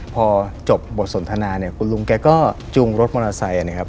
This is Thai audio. พอจบบทสนทนาเนี่ยคุณลุงแกก็จูงรถมอเตอร์ไซค์นะครับ